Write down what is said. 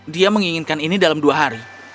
dia menginginkan ini dalam dua hari